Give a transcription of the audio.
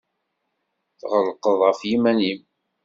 Tɣelqeḍ ɣef yiman-nnem.